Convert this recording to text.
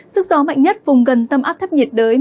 sức gió mạnh nhất vùng gần tâm áp thấp nhiệt đới